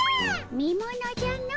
見ものじゃの。